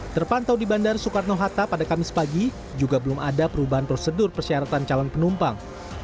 terpantau di bandara soekarno hatta pada kamis pagi juga belum ada perubahan prosedur persyaratan calon penumpang